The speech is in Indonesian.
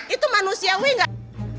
itu manusiawi gak